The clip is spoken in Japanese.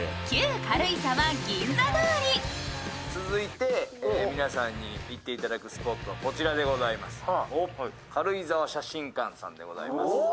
続いて皆さんに行っていただくスポット、こちらでございます